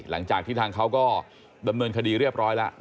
หลังจากที่ทางเขาก็ดำเนินคดีเรียบร้อยแล้ว